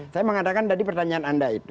saya mengatakan tadi pertanyaan anda itu